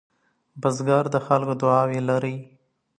بزګر د خلکو دعاوې لري